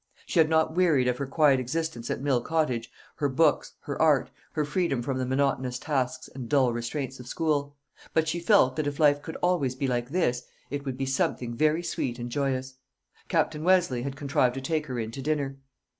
She had not wearied of her quiet existence at Mill Cottage, her books, her art, her freedom from the monotonous tasks and dull restraints of school; but she felt that if life could always be like this, it would be something very sweet and joyous. Captain Westleigh had contrived to take her in to dinner.